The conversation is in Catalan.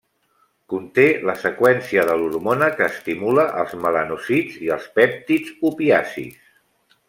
Conté la seqüència de l'hormona que estimula els melanòcits i els pèptids opiacis.